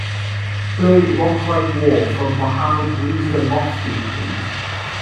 Play rock like war from Mohammad Reza Lotfi please